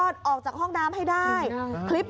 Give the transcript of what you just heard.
พังพังหมดแล้ว